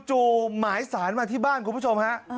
หมายสารมาที่บ้านคุณผู้ชมฮะ